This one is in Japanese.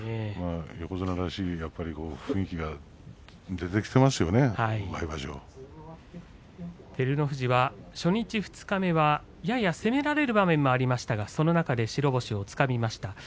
横綱らしい雰囲気が照ノ富士は初日二日目はやや攻められる場面もありましたが、その中で白星をつかみました。